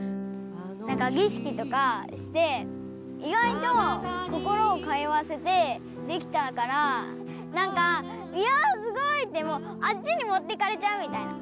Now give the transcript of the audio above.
なんか儀式とかしていがいと心を通わせてできたからなんか「いやすごい！」ってもうあっちにもってかれちゃうみたいな。